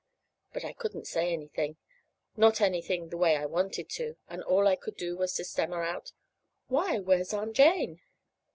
But I couldn't say anything not anything, the way I wanted to; and all I could do was to stammer out: "Why, where's Aunt Jane?"